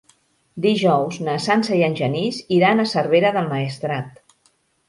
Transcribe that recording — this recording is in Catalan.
Dijous na Sança i en Genís iran a Cervera del Maestrat.